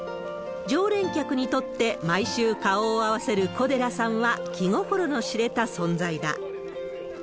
常連客にとって、毎週顔を合わせる小寺さんは気心の知れた存在だ。